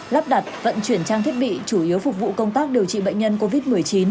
lắp đặt vận chuyển trang thiết bị chủ yếu phục vụ công tác điều trị bệnh nhân covid một mươi chín